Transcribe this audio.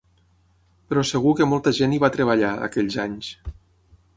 Però segur que molta gent hi va treballar, aquells anys.